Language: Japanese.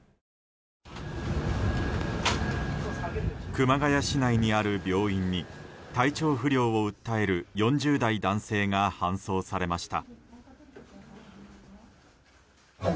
熊谷市内にある病院に体調不良を訴える４０代男性が搬送されました。